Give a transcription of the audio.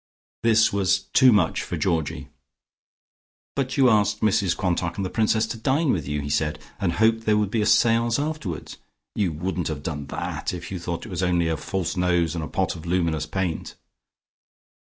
This was too much for Georgie. "But you asked Mrs Quantock and the Princess to dine with you," he said, "and hoped there would be a seance afterwards. You wouldn't have done that, if you thought it was only a false nose and a pot of luminous paint."